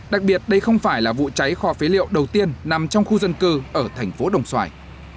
đặc biệt đây không phải là vụ cháy kho phế liệu đầu tiên nằm trong khu dân cư ở thành phố đồng xoài